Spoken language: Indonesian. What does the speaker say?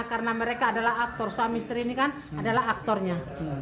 karena mereka adalah aktor suami istri ini kan adalah aktornya